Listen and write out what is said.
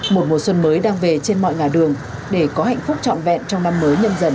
một mùa xuân mới đang về trên mọi ngã đường để có hạnh phúc trọn vẹn trong năm mới nhân dân hai nghìn hai mươi hai